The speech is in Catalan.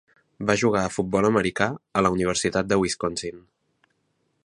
Va jugar a futbol americà a la Universitat de Wisconsin.